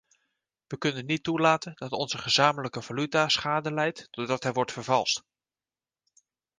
We kunnen niet toelaten dat onze gezamenlijke valuta schade lijdt doordat hij wordt vervalst.